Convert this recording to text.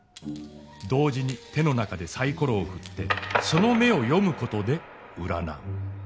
同時に手の中でサイコロを振ってその目を読むことで占う。